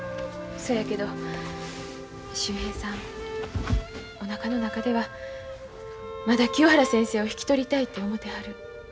そやけど秀平さんおなかの中ではまだ清原先生を引き取りたいと思てはる。